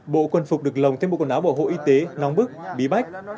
bộ quân phục được lồng thêm bộ quần áo bảo hộ y tế nóng bức bí bách